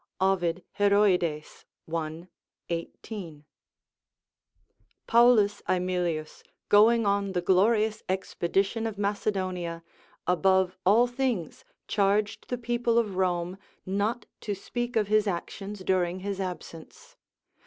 Ovid, Heroid, i. 18.] Paulus AEmilius, going on the glorious expedition of Macedonia, above all things charged the people of Rome not to speak of his actions during his absence.